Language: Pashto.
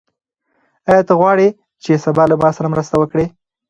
آیا ته غواړې چې سبا له ما سره مرسته وکړې؟